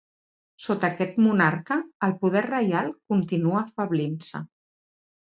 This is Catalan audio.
Sota aquest monarca, el poder reial continua afeblint-se.